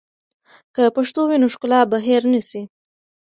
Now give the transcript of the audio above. که پښتو وي، نو ښکلا به هېر نه سي.